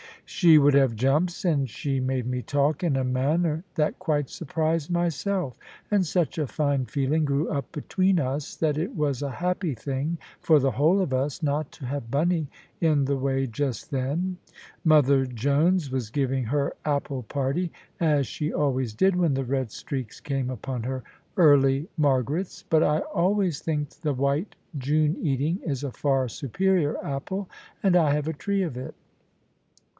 She would have jumps, and she made me talk in a manner that quite surprised myself; and such a fine feeling grew up between us, that it was a happy thing for the whole of us, not to have Bunny in the way just then. Mother Jones was giving her apple party; as she always did when the red streaks came upon her "Early Margarets." But I always think the White Juneating is a far superior apple: and I have a tree of it.